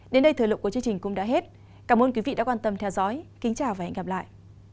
đến đây thời lượng của chương trình cũng đã hết cảm ơn quý vị đã quan tâm theo dõi kính chào và hẹn gặp lại